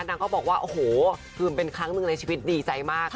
นางก็บอกว่าโอ้โหคือมันเป็นครั้งหนึ่งในชีวิตดีใจมาก